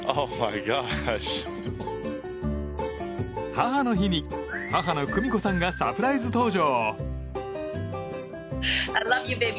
母の日に母の久美子さんがサプライズ登場。